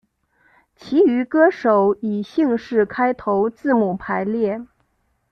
其余歌手以姓氏开头字母排列。